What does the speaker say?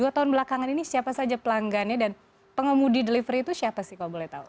dua tahun belakangan ini siapa saja pelanggannya dan pengemudi delivery itu siapa sih kalau boleh tahu